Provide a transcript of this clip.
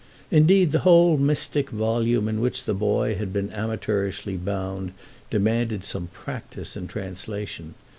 Indeed the whole mystic volume in which the boy had been amateurishly bound demanded some practice in translation.